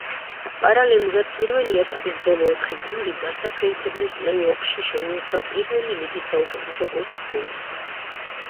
პარალერულად, პირველი ეტაპის ბოლო ოთხი გუნდი დასაქვეითებელ პლეი-ოფში შეუერთდა პირველი ლიგის საუკეთესო ოთხ გუნდს.